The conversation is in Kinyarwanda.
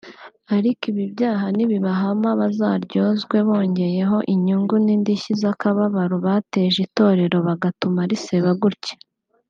Ariko ibi byaha nibibahama bazayaryozwe bongeyeho inyungu n’indishyi z’akababaro bateje itorero bagatuma riseba gutya